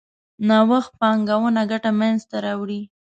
نوښت پانګونه ګټه منځ ته راوړي.